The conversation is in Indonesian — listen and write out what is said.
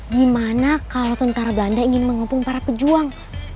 gimana kalau tentara belanda ingin mengepung para pejuang